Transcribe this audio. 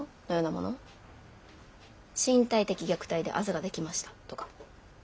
身体的虐待であざができましたとか。